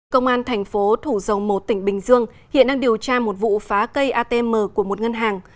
công an thành phố thủ dầu một tỉnh bình dương hiện đang điều tra một vụ phá cây atm của một ngân hàng